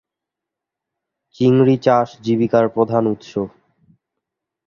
চিংড়ি চাষ জীবিকার প্রধান উৎস।